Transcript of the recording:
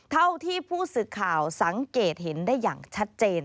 เท่าที่ผู้สื่อข่าวสังเกตเห็นได้อย่างชัดเจน